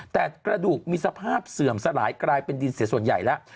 แต่กระดูกมีสภาพเสื่อมสลายกลายเป็นดินเสียส่วนใหญ่แล้ว